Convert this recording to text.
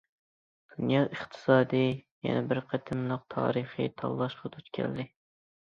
دۇنيا ئىقتىسادى يەنە بىر قېتىملىق تارىخىي تاللاشقا دۇچ كەلدى.